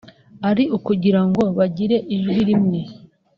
ari ukugira ngo bagire ijwi rimwe